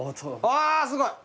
あーすごい！